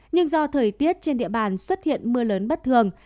nhưng do thời tiết trên địa bàn xuất hiện mưa lớn bất thường